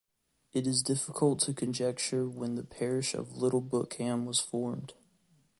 It is difficult to conjecture when the parish of Little Bookham was formed.